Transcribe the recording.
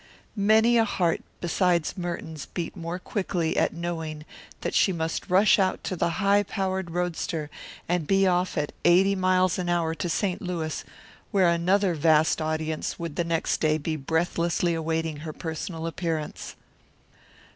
Many a heart besides Merton's beat more quickly at knowing that she must rush out to the high powered roadster and be off at eighty miles an hour to St. Louis, where another vast audience would the next day be breathlessly awaiting her personal appearance.